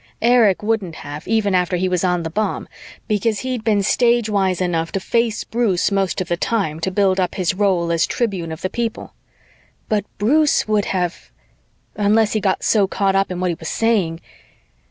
Erich wouldn't have, even after he was on the bomb, because he'd been stagewise enough to face Bruce most of the time to build up his role as tribune of the people. But Bruce would have unless he got so caught up in what he was saying....